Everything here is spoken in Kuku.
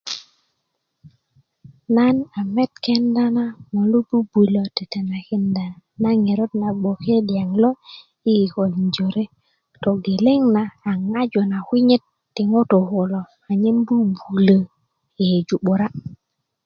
nan a met kenda molu bubulö tetenakinda na ŋerot na gboke likaŋ lo yi kikolin jore togeleg na a ŋaju na kwi'yit ti ŋutu' kulo anyen bubulö yeyeju 'bura